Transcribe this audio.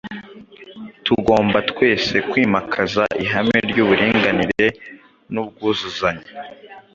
Tugomba twese kwimakaza ihame ry’uburinganire n’ubwuzuzanye.